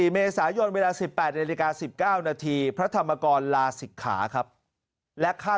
เมษายนเวลา๑๘นาฬิกา๑๙นาทีพระธรรมกรลาศิกขาครับและค่า